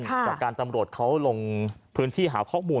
จากการตำรวจเขาลงพื้นที่หาข้อมูล